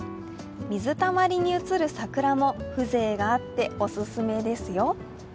水たまりに映る桜も風情があってオススメですよ。